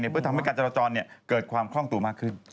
เพื่อทำให้การจราจรเกิดความคล่องตัวมากขึ้น